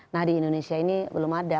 nah di indonesia ini belum ada